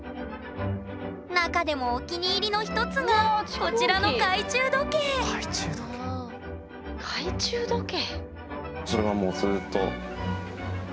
中でもお気に入りの一つがこちらの懐中時計懐中時計。